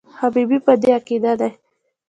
حبیبي په دې عقیده دی.